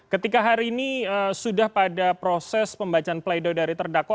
ketika hari ini sudah pada proses pembacaan play doh dari terdakau